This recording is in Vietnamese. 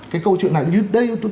cái câu chuyện này